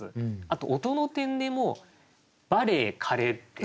あと音の点でもう「バレー」「カレー」って。